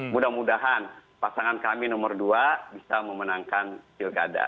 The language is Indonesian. mudah mudahan pasangan kami nomor dua bisa memenangkan pilkada